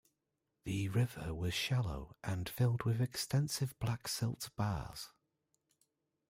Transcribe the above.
The river was shallow and filled with extensive black silt bars.